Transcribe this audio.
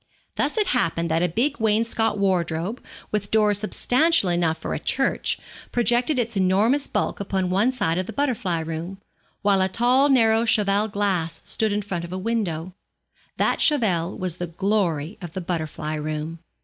Thus it happened that a big wainscot wardrobe, with doors substantial enough for a church, projected its enormous bulk upon one side of the butterfly room, while a tall narrow cheval glass stood in front of a window. That cheval was the glory of the butterfly room.